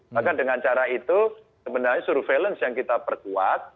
maka dengan cara itu sebenarnya surveillance yang kita perkuat